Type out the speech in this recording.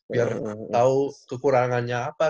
biar tau kekurangannya apa